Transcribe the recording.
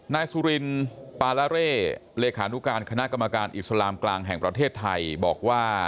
นายสุรินปาลาเร่เลขานุการคณะกรรมการอิสลามกลางแห่งประเทศไทยบอกว่า